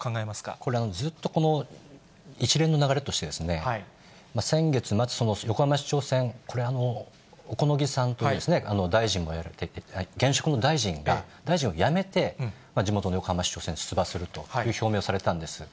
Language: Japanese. これ、ずっと一連の流れとして、先月末の横浜市長選、これ、小此木さんと大臣をやられていた、現職の大臣が大臣を辞めて、地元の横浜市長選に出馬をすると表明されたんです。